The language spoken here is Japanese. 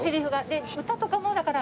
歌とかもだから。